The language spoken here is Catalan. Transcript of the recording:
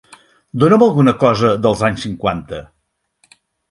dona'm alguna cosa dels anys cinquanta